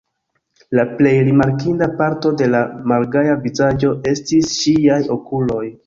La plej rimarkinda parto de la malgaja vizaĝo estis ŝiaj okuloj.